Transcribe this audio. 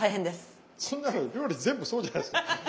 そんなの料理全部そうじゃないですか。